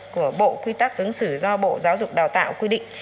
của bộ quy tắc ứng xử do bộ giáo dục đào tạo quy định